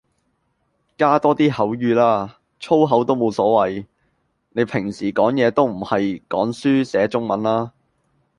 加多啲口語啦，粗口都冇所謂，你平時講嘢都唔係講書寫中文啦